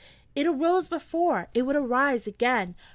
'It arose before it would arise again.'